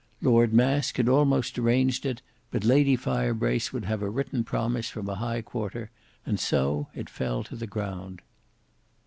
Lord Masque had almost arranged it, but Lady Firebrace would have a written promise from a high quarter, and so it fell to the ground."